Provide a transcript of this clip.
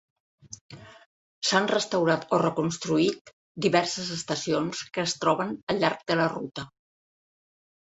S'han restaurat o reconstruït diverses estacions que es troben al llarg de la ruta.